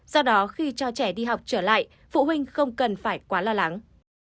do đó khi cho trẻ đi học trở lại phụ huynh không cần phải quá lo lắng